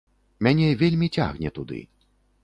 Мяне вельмі цягне туды.